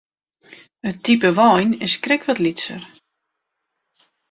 It type wein is krekt wat lytser.